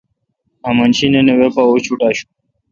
امن شی نِن اے وے پا اچوٹ آݭوں۔